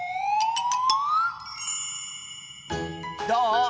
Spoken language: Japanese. どう？